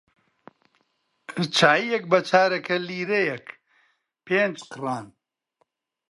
چایییەک بە چارەگە لیرەیەک پێنج قڕان